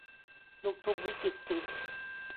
ลูกทุ่งวิจิตรศิลป์